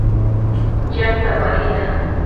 جنګ تباهي ده